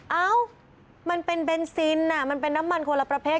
เอ้ามันเป็นเบนซินมันเป็นน้ำมันคนละประเภท